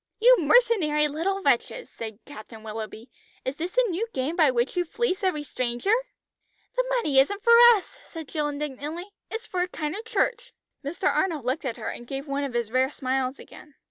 "You mercenary little wretches," said Captain Willoughby. "Is this a new game by which you fleece every stranger?" "The money isn't for us!" said Jill indignantly. "It's for a kind of church." Mr. Arnold looked at her, and gave one of his rare smiles again.